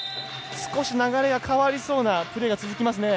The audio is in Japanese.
少し流れが変わりそうなプレーが続きますね。